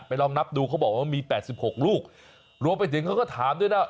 ลองนับดูเขาบอกว่ามี๘๖ลูกรวมไปถึงเขาก็ถามด้วยนะ